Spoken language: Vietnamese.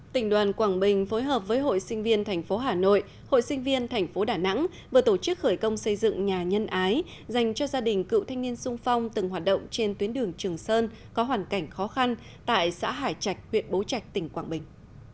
tỉnh đoàn quảng bình phối hợp với hội sinh viên thành phố hà nội hội sinh viên thành phố đà nẵng vừa tổ chức khởi công xây dựng nhà nhân ái dành cho gia đình cựu thanh niên sung phong từng hoạt động trên tuyến đường trường sơn có hoàn cảnh khó khăn tại xã hải trạch huyện bố trạch tỉnh quảng bình